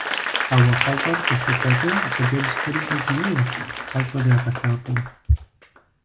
Ауэ хьэщӀэр къыщыфэкӀэ хъыджэбзхэри Ӏэгу еуэрт, хьэщӀэр ягъэлъапӀэу.